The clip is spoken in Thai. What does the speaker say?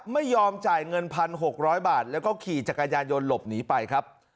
ไม่ยอมจ่ายเงิน๑๖๐๐บาทแล้วก็ขี่จักรยานยนต์หลบหนีไปครับ